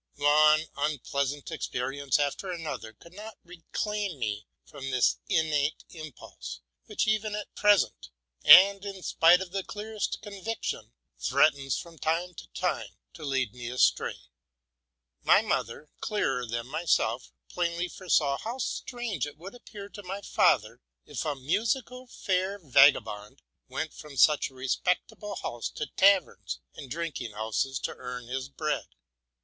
One unpleasant experience after another could not reclaim me from this innate impulse, which, even at present, and in spite of the clearest convic tion, threatens from time to time to lead me astray. My mother, being more clear sighted than I, plainly foresaw how strange it would seem to my 'father , if a musical fair v agabond went from such a respectable house to taverns and drinking houses to earn his bread.